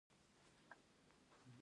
ایا زه باید په ښي اړخ ویده شم؟